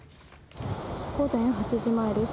午前８時前です。